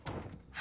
は